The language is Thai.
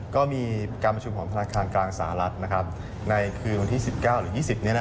ก็มีการประชุมของธนาคารกลางสหรัฐในคืนวันที่๑๙หรือ๒๐นี้